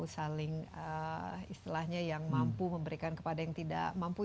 saling istilahnya yang mampu memberikan kepada yang tidak mampu